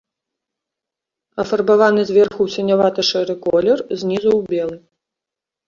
Афарбаваны зверху ў сінявата-шэры колер, знізу ў белы.